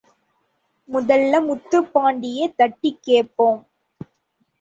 முதல்ல முத்துப்பாண்டிய தட்டிக் கேப்போம்.